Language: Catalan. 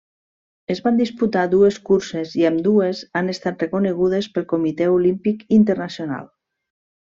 Es van disputar dues curses, i ambdues han estat reconegudes pel Comitè Olímpic Internacional.